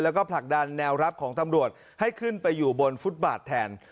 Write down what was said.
แล้วก็ผลักดันแนวรับของตำรวจให้ขึ้นไปอยู่บนฟุตบาทแทน